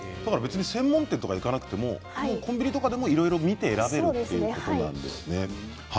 専門店とかに行かなくてもコンビニとかでも、いろいろ見て選べるということなんですね。